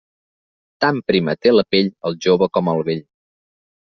Tan prima té la pell el jove com el vell.